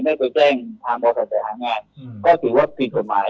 ไม่เคยแจ้งทางบอสสาหรัยภาครงาน